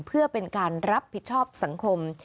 เพื่อเป็นการรับผิดชอบสังคม